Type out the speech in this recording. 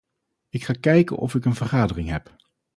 Ik ga kijken of ik een vergadering heb.